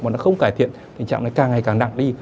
mà nó không cải thiện tình trạng này càng ngày càng nặng đi